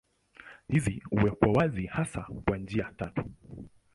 Hizi huwekwa wazi hasa kwa njia tatu.